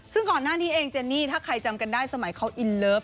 ซึ่งก่อนหน้านี้เองเจนนี่ถ้าใครจำกันได้สมัยเขาอินเลิฟ